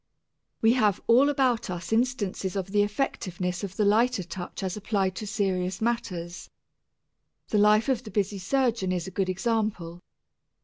We have all about us instances of the effectiveness of the lighter touch as applied to serious matters. The life of the busy surgeon is a good example.